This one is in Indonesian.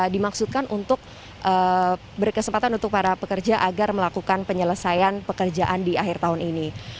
dimaksudkan untuk berkesempatan untuk para pekerja agar melakukan penyelesaian pekerjaan di akhir tahun ini